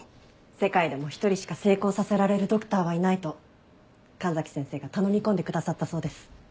世界でも一人しか成功させられるドクターはいないと神崎先生が頼み込んでくださったそうです。